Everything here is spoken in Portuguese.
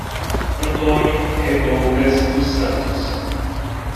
Antônio Reboucas dos Santos